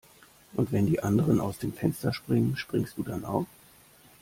Und wenn die anderen aus dem Fenster springen, springst du dann auch?